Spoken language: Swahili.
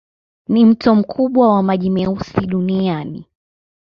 Ni mto mkubwa wa maji meusi duniani.